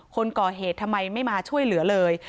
คนก่อเหตุทำไมไม่มาช่วยเหลือเลย